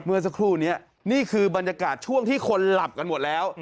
เมื่อสักครู่นี้นี่คือบรรยากาศช่วงที่คนหลับกันหมดแล้ว